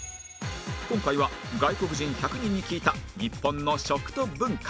今回は外国人１００人に聞いた日本の食と文化